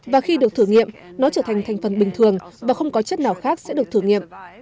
và khi được thử nghiệm nó trở thành thành phần bình thường và không có chất nào khác sẽ được thử nghiệm